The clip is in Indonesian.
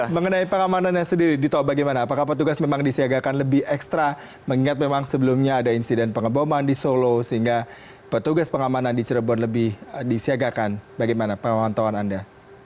mengenai pengamanannya sendiri dito bagaimana apakah petugas memang disiagakan lebih ekstra mengingat memang sebelumnya ada insiden pengeboman di solo sehingga petugas pengamanan di cirebon lebih disiagakan bagaimana pengawantawan anda